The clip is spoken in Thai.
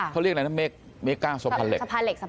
เขาเรียกอะไรนะเมก้าสะพานเหล็ก